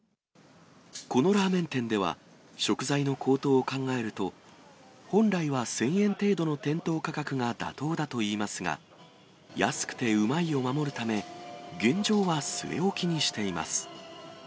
このラーメン店では、食材の高騰を考えると、本来は１０００円程度の店頭価格が妥当だといいますが、安くてうまいを守るため、現状は据え置きにしています。